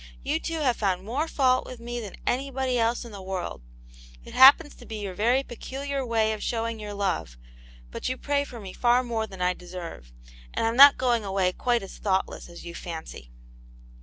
You two have found more fault with me than anybody else in the world ; it happens to be your very pecu liar way of showing your love ; but you pray for me far more than I deserve — and I'm not going Bway quite as thoughtless as you fancy."